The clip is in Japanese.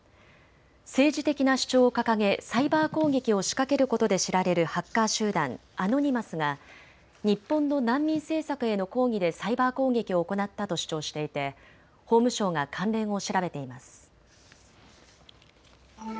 政治的な主張を掲げサイバー攻撃を仕掛けることで知られるハッカー集団アノニマスが日本の難民政策への抗議でサイバー攻撃を行ったと主張していて法務省が関連を調べています。